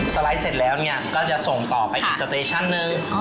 ไลด์เสร็จแล้วเนี่ยก็จะส่งต่อไปอีกสเตชั่นนึง